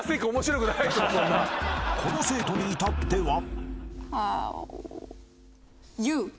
［この生徒に至っては］Ｍｅ？